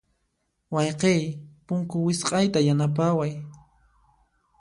Wayqiy, punku wisq'ayta yanapaway.